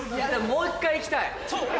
もう１回いきたい！」